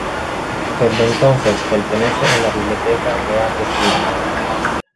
Desde entonces permanece en la Biblioteca Real de Turín.